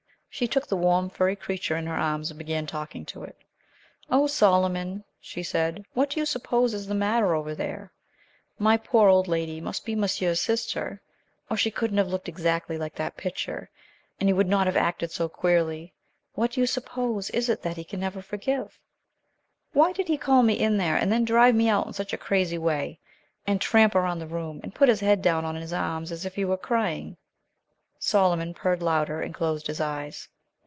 She took the warm, furry creature in her arms and began talking to it. "Oh, Solomon," she said, "what do you suppose is the matter over there? My poor old lady must be monsieur's sister, or she couldn't have looked exactly like that picture, and he would not have acted so queerly. What do you suppose it is that he can never forgive? Why did he call me in there and then drive me out in such a crazy way, and tramp around the room, and put his head down on his arms as if he were crying?" Solomon purred louder and closed his eyes.